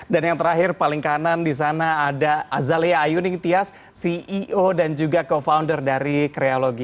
dan yang terakhir paling kanan disana ada azalea ayuning tias ceo dan juga co founder dari creology